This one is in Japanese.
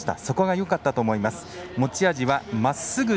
そこがよかったと思います。